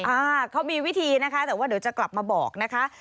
อ่าเขามีวิธีนะคะแต่ว่าเดี๋ยวจะกลับมาบอกนะคะ